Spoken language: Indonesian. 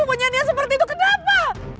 kamu nyanyian seperti itu kenapa